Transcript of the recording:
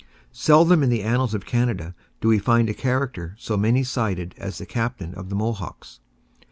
Seldom in the annals of Canada do we find a character so many sided as the Captain of the Mohawks.